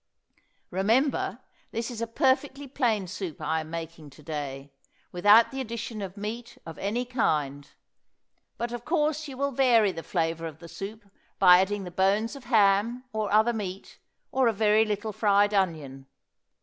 Remember this is a perfectly plain soup I am making to day, without the addition of meat of any kind; but of course you will vary the flavor of the soup by adding the bones of ham or other meat, or a very little fried onion.